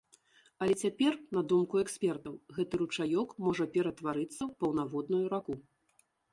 Але цяпер, на думку экспертаў, гэты ручаёк можа ператварыцца ў паўнаводную раку.